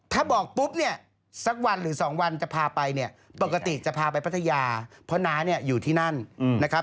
ถ้าบอกปุ๊บเนี่ยสักวันหรือ๒วันจะพาไปเนี่ยปกติจะพาไปพัทยาเพราะน้าเนี่ยอยู่ที่นั่นนะครับ